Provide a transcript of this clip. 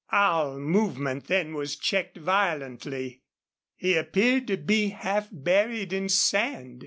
All movement then was checked violently. He appeared to be half buried in sand.